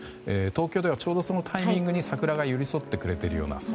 東京ではちょうどそのタイミングに桜が寄り添ってくれているような